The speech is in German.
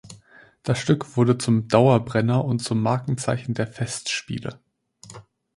Das Stück wurde zum Dauerbrenner und zum Markenzeichen der Festspiele.